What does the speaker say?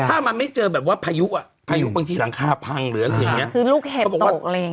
ถ้ามันไม่เจอแบบว่าพยุกพยุกตรงที่หลังข้าพังคือเรียงรูปเหตุตก